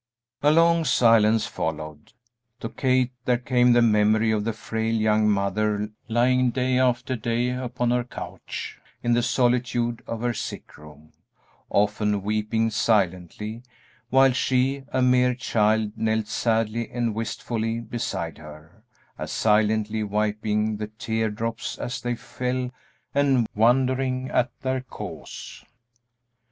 A long silence followed. To Kate there came the memory of the frail, young mother lying, day after day, upon her couch in the solitude of her sick room, often weeping silently, while she, a mere child, knelt sadly and wistfully beside her, as silently wiping the tear drops as they fell and wondering at their cause.